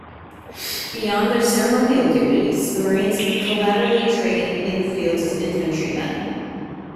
Beyond their ceremonial duties, the Marines collaterally train in the field as infantrymen.